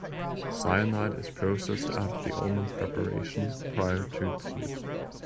Cyanide is processed out of the almond preparation prior to its use.